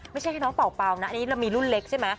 ไม่ใช่แค่น้องเป่านะอันนี้เรามีรุ่นเล็กใช่ไหม